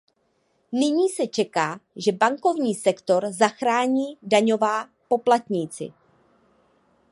Nyní se čeká, že bankovní sektor zachrání daňová poplatníci.